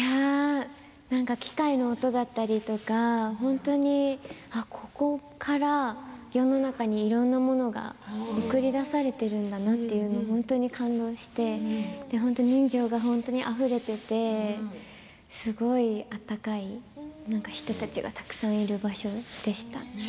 機械の音だったりとか本当にここから世の中にいろんなものが送り出されているんだなというのを本当に感じて人情が本当にあふれていてすごい温かい人たちがたくさんいる場所でした。